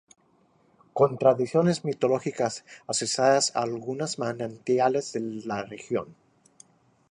Con tradiciones mitológicas asociadas a algunos manantiales de la región.